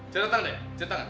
ceritakan deh ceritakan